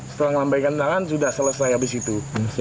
setelah melambaikan tangan sudah selesai habis itu